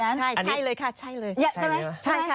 ใช่เลยค่ะใช่เลย